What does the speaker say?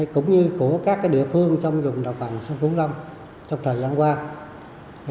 cũng như của các địa phương trong dùng đồng bằng sông củ long trong thời gian qua